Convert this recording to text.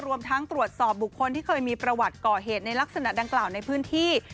รวมทั้งตรวจสอบบุคคลที่เคยมีประวัติก่อเหตุในลักษณะดังกล่าวในพื้นที่